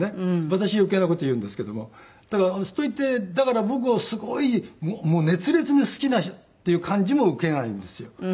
私余計な事言うんですけども。といってだから僕をすごい熱烈に好きなっていう感じも受けないんですよ。